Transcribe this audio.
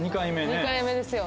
２回目ですよ。